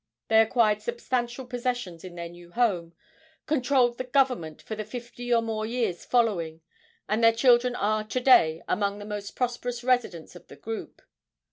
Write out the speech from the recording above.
They acquired substantial possessions in their new home, controlled the government for the fifty or more years following, and their children are to day among the most prosperous residents of the group.